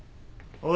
おい！